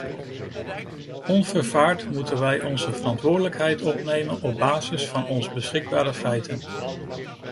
Onvervaard moeten wij onze verantwoordelijkheid opnemen op basis van de ons beschikbare feiten.